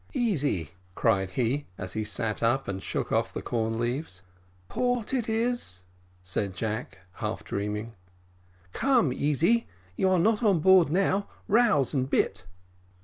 "Easy," cried he, as he sat up and shook off the corn leaves. "Port it is," said Jack, half dreaming. "Come, Easy, you are not on board now. Rouse and bitt."